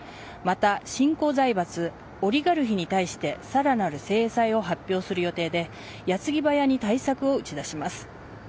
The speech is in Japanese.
また、新興財閥オリガルヒに対してさらなる制裁を発表する予定で矢継ぎ早に対策を打ち出します。